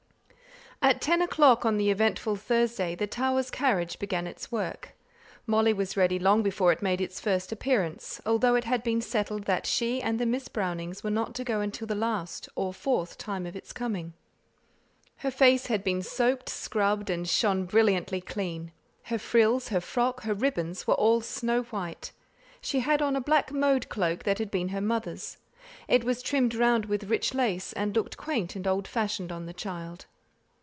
At ten o'clock on the eventful Thursday the Towers' carriage began its work. Molly was ready long before it made its first appearance, although it had been settled that she and the Miss Brownings were not to go until the last, or fourth, time of its coming. Her face had been soaped, scrubbed, and shone brilliantly clean; her frills, her frock, her ribbons were all snow white. She had on a black mode cloak that had been her mother's; it was trimmed round with rich lace, and looked quaint and old fashioned on the child.